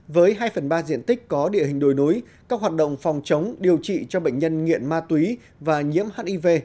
với hai phần ba diện tích có địa hình đồi núi các hoạt động phòng chống điều trị cho bệnh nhân nghiện ma túy và nhiễm hiv